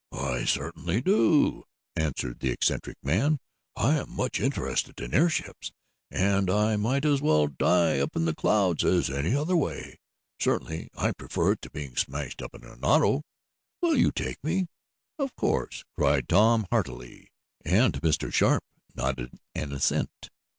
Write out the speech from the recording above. "I certainly do," answered the eccentric man. "I am much interested in airships, and I might as well die up in the clouds as any other way. Certainly I prefer it to being smashed up in an auto. Will you take me?" "Of course!" cried Tom heartily, and Mr. Sharp nodded an assent.